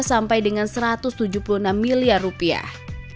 sampai dengan satu ratus tujuh puluh enam miliar rupiah